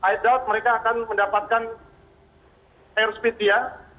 i doubt mereka akan mendapatkan airspeed dia